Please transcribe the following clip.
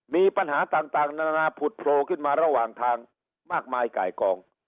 มีปัญหาต่างนานาผุดโผล่ขึ้นมาระหว่างทางมากมายไก่กอง